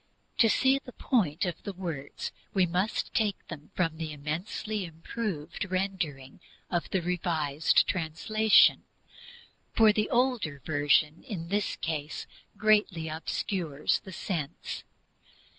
To see the point of the words we must take them from the immensely improved rendering of the Revised translation, for the older Version in this case greatly obscures the sense.